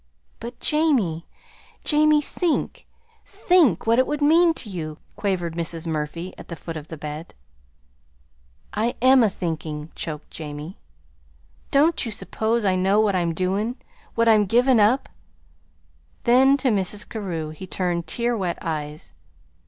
"But, Jamie, Jamie, think, THINK what it would mean to you!" quavered Mrs. Murphy, at the foot of the bed. "I am a thinkin'," choked Jamie. "Don't you suppose I know what I'm doin' what I'm givin' up?" Then to Mrs. Carew he turned tear wet eyes.